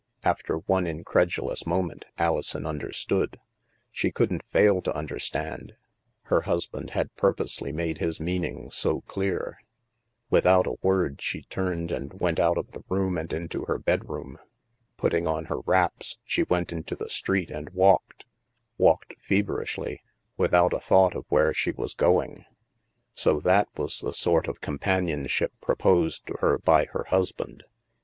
After one incredulous moment, Alison understood. She couldn't fail to tmderstand; her husband had purposely made his meaning so clear. Without a word, she turned and went out of the room and into her bedroom. Putting on her wraps, she went into the street, and walked — walked fev erishly, without a thought of where she was going. 142 THE MASK So that was the sort of companionship proposed to her by her husband.